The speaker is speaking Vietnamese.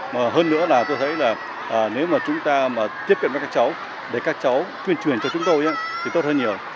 mà hơn nữa là tôi thấy là nếu mà chúng ta mà tiếp cận với các cháu để các cháu tuyên truyền cho chúng tôi thì tốt hơn nhiều